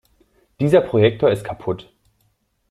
Dieser Projektor ist kaputt.